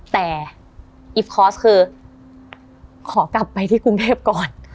แต่อีฟคอร์สคือขอกลับไปที่กรุงเทพก่อน